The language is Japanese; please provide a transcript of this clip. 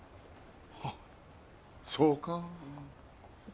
あっそうか。